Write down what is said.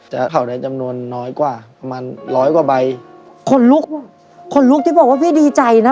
เผาในจำนวนน้อยกว่าประมาณร้อยกว่าใบคนลุกคนลุกที่บอกว่าพี่ดีใจนะ